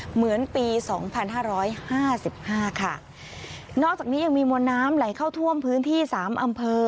เหมือนปีสองพันห้าร้อยห้าสิบห้าค่ะนอกจากนี้ยังมีมวลน้ำไหลเข้าท่วมพื้นที่สามอำเภอ